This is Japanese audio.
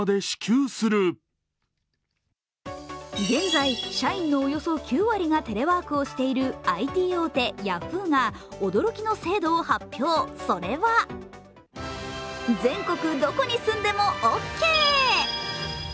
現在、社員のおよそ９割がテレワークをしているＩＴ大手ヤフーが驚きの制度を発表、それは全国どこに住んでもオッケー。